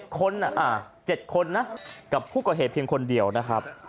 คน๗คนนะกับผู้ก่อเหตุเพียงคนเดียวนะครับ